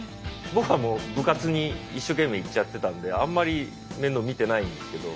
僕はもう部活に一生懸命行っちゃってたんであんまり面倒見てないんですけど。